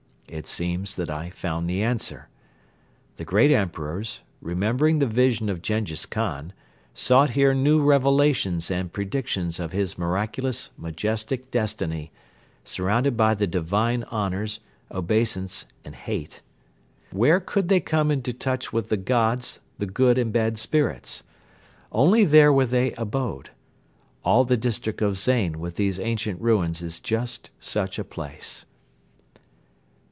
It seems that I found the answer. The great emperors, remembering the vision of Jenghiz Khan, sought here new revelations and predictions of his miraculous, majestic destiny, surrounded by the divine honors, obeisance and hate. Where could they come into touch with the gods, the good and bad spirits? Only there where they abode. All the district of Zain with these ancient ruins is just such a place.